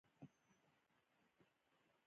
آیا زمرد تر ټولو قیمتي شنه ډبره ده؟